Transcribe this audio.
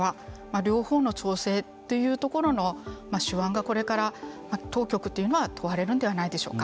両方の調整というところの手腕がこれから当局というのは問われるのではないでしょうか。